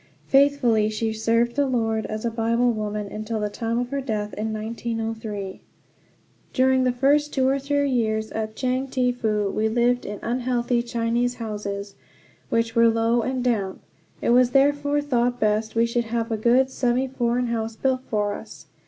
Faithfully she served the Lord as a Bible woman, until the time of her death in 1903. During the first two or three years at Chang Te Fu we lived in unhealthy Chinese houses, which were low and damp. It was therefore thought best that we should have a good semi foreign house built for us.